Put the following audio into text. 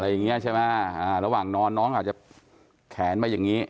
อย่างเงี้ยใช่ไหมอ่าระหว่างนอนน้องอาจจะแขนมาอย่างนี้